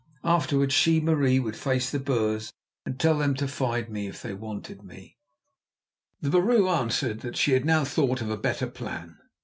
Afterwards she, Marie, would face the Boers and tell them to find me if they wanted me. The vrouw answered that she had now thought of a better plan.